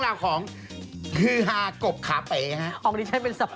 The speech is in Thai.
หรือคุงฮากลบขาเป